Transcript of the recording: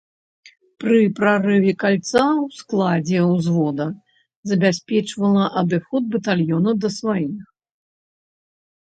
Пры прарыве кальца ў складзе ўзвода забяспечвала адыход батальёна да сваіх.